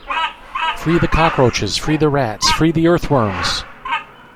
Free the cockroaches, free the rats, free the earthworms!